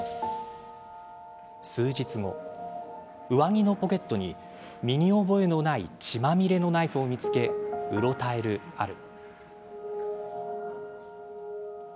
数日後、上着のポケットに身に覚えのない血まみれのナイフを見つけうろたえるアル。